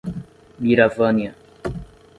Miravânia